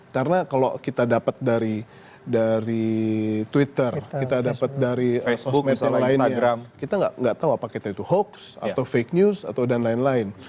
karena kalau kita dapat dari twitter facebook instagram kita tidak tahu apakah kita itu hoax atau fake news dan lain lain